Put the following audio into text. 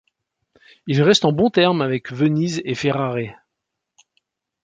Il reste en bons termes avec Venise et Ferrare.